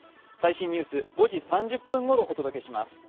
最新ニュース、５時３０分ごろお届けします。